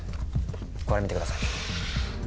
これ見てください。